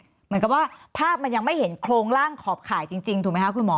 เหมือนกับว่าภาพมันยังไม่เห็นโครงร่างขอบข่ายจริงถูกไหมคะคุณหมอ